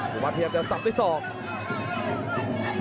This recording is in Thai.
หัววัดเทียบเดี๋ยวสับต้นทางสอง